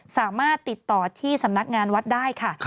สามารถติดต่อที่สำนักงานวัดได้ค่ะ